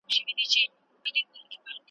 د اولس برخه یې ځانځاني سي ,